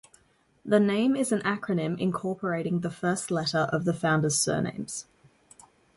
The name is an acronym incorporating the first letter of the founders' surnames.